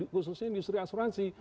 khususnya industri asuransi